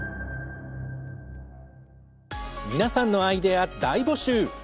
皆さんのアイデア大募集！